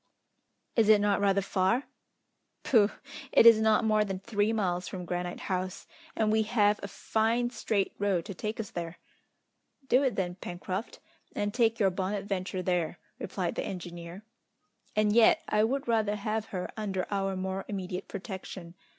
"Is it not rather far?" "Pooh! it is not more than three miles from Granite House, and we have a fine straight road to take us there!" "Do it then, Pencroft, and take your Bonadventure there," replied the engineer, "and yet I would rather have her under our more immediate protection.